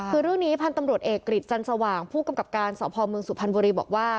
คือเรื่องนี้พันธุ์ตำรวจเอกกริจจันสว่างผู้กำกับการสพเมืองสุพรรณบุรีบอกว่า